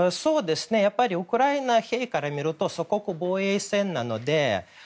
ウクライナ兵から見ると祖国防衛戦なので。